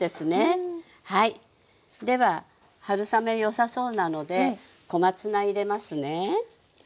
では春雨よさそうなので小松菜入れますね。